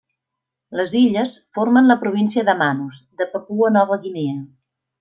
Les illes formen la província de Manus de Papua Nova Guinea.